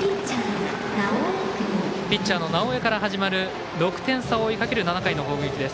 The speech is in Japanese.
ピッチャーの直江から始まる６点差を追いかける７回の攻撃。